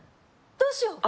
どうしよう